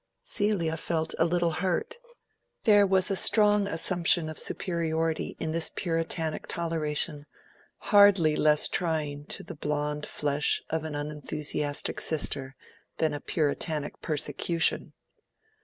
Celia felt a little hurt. There was a strong assumption of superiority in this Puritanic toleration, hardly less trying to the blond flesh of an unenthusiastic sister than a Puritanic persecution.